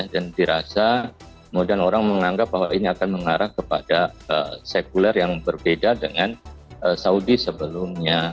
dan dirasa mudah orang menganggap bahwa ini akan mengarah kepada sekuler yang berbeda dengan saudi sebelumnya